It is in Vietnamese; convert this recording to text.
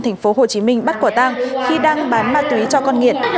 thành phố hồ chí minh bắt quả tang khi đang bán ma túy cho con nghiện